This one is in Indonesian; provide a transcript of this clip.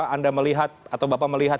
anda melihat atau bapak melihat